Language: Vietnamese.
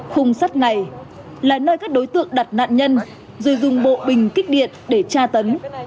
khung sắt này là nơi các đối tượng đặt nạn nhân rồi dùng bộ bình kích điện để tra tấn